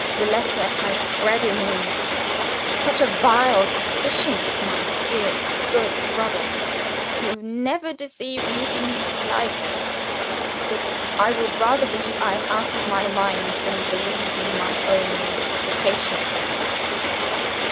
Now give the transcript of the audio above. The letter has bred in me such a vile suspicion of my dear good brother, who never deceived me in his life, that I would rather believe I am out of my mind than believe in my own interpretation of it.